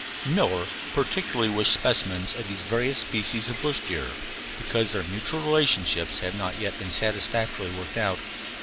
Miller particularly wished specimens of these various species of bush deer, because their mutual relationships have not yet been satisfactorily worked out.